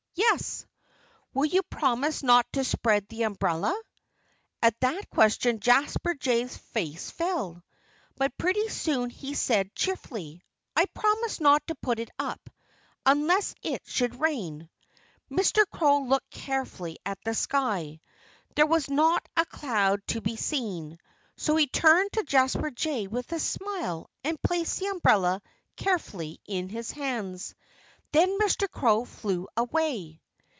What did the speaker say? "Yes!" "Will you promise not to spread the umbrella?" At that question Jasper Jay's face fell. But pretty soon he said cheerfully: "I promise not to put it up unless it should rain." Mr. Crow looked carefully at the sky. There was not a cloud to be seen. So he turned to Jasper Jay with a smile and placed the umbrella carefully in his hands. Then Mr. Crow flew away.